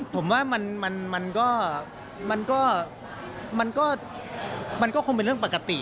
ผมว่ามันก็คงเป็นเรื่องปกติ